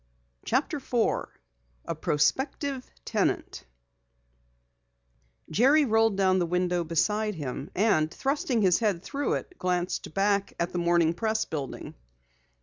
CHAPTER 4 A PROSPECTIVE TENANT Jerry rolled down the window beside him and, thrusting his head through it, glanced back at the Morning Press building.